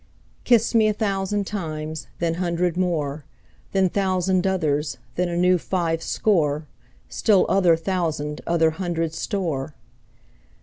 Kiss me a thousand times, then hundred more, Then thousand others, then a new five score, Still other thousand other hundred store.